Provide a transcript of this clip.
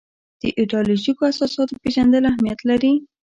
د ایدیالوژیکو اساساتو پېژندل اهمیت لري.